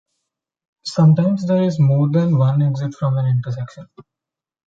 Sometimes there is more than one exit from an intersection.